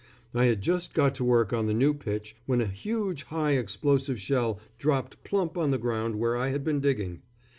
I had just got to work on the new pitch when a huge high explosive shell dropped plump on the ground where I had been digging.